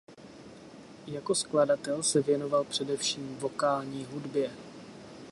Jako skladatel se věnoval především vokální hudbě.